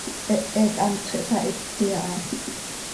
Hehe quih hantx ihsahiti aha.